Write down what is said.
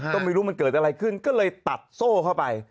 ก็ไม่รู้มันเกิดอะไรขึ้นก็เลยตัดโซ่เข้าไป